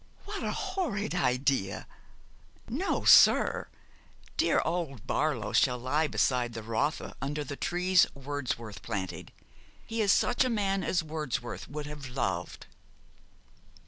'What a horrid idea! No, sir, dear old Barlow shall lie beside the Rotha, under the trees Wordsworth planted. He is such a man as Wordsworth would have loved.'